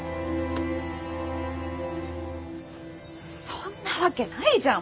そんなわけないじゃん！